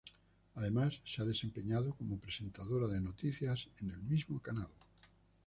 Además, se ha desempeñado como presentadora de noticias en el mismo canal.